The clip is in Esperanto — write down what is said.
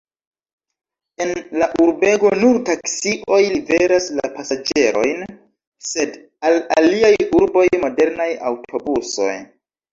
En la urbego nur taksioj liveras la pasaĝerojn, sed al aliaj urboj modernaj aŭtobusoj.